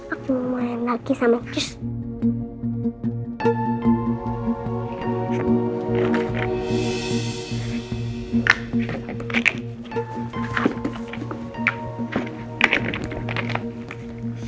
aku mau main lagi sama keisha